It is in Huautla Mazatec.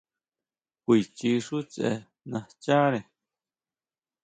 Kuichi xú tse nascháʼre.